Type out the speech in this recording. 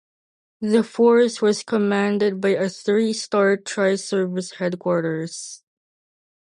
The force was commanded by a three-star tri-service headquarters.